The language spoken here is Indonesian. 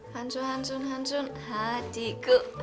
hancur hancur hancur hatiku